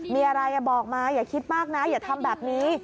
มีอะไรบอกมาอย่าคิดมากนะอย่าทำแบบนี้